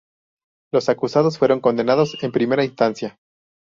Los acusados fueron condenados en primera instancia.